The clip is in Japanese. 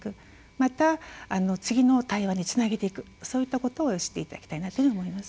また、次の対話につなげていくそういったことをしていただきたいなと思います。